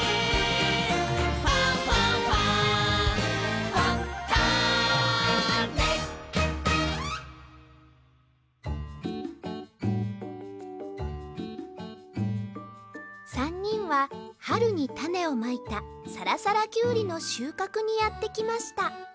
「ファンファンファン」３にんははるにたねをまいたさらさらキュウリのしゅうかくにやってきました